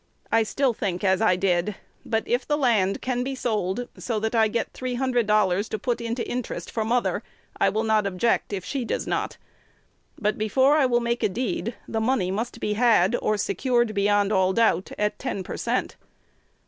I still think as I did; but if the land can be sold so that I get three hundred dollars to put to interest for mother, I will not object, if she does not. But, before I will make a deed, the money must be had, or secured beyond all doubt, at ten per cent.